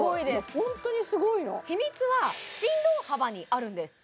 もうホントにすごいの秘密は振動幅にあるんです